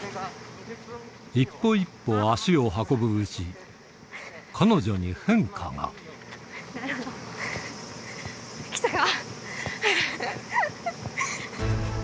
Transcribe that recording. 一歩一歩足を運ぶうち、彼女に変化が。きたか。